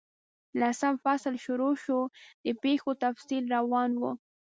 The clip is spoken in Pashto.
لسم فصل شروع شو، د پیښو تفصیل روان وو.